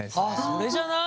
それじゃない？